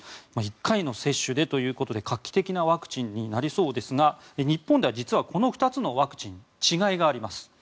１回の接種でということで画期的なワクチンになりそうですが日本では実はこの２つのワクチン違いがあります。